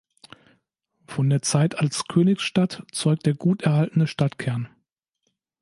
Von der Zeit als Königsstadt zeugt der gut erhaltene Stadtkern.